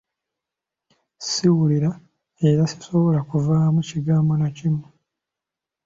Siwulira era sisobola kuvaamu kigambo na kimu.